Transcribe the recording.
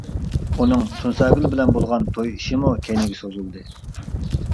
ئۇنىڭ تۇنساگۈل بىلەن بولغان توي ئىشىمۇ كەينىگە سوزۇلدى.